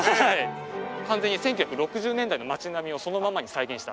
完全に１９６０年代の町並みをそのままに再現した。